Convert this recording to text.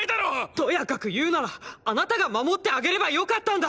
とやかく言うならあなたが守ってあげればよかったんだ！